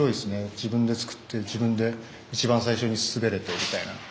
自分で作って自分で一番最初に滑れてみたいな。